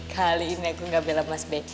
kali ini aku gak bilang mas b